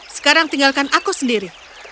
sekarang tinggalkan aku saja